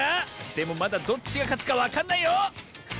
でもまだどっちがかつかわかんないよ！